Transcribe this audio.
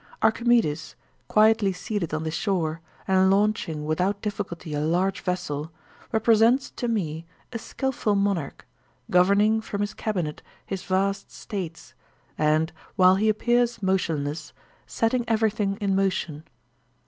Archimedes, quietly seated on the shore, and launching without diffi culty a large vessel, represents to me a skillful monarch, governing from his cabinet his vast States, and, while he appears motionless, setting everything in motion.